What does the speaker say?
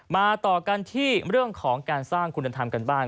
มาต่อกันที่เรื่องของการสร้างคุณธรรมกันบ้าง